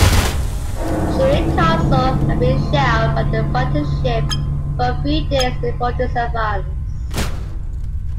Shuri Castle had been shelled by the battleship for three days before this advance.